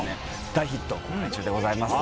大ヒット公開中でございます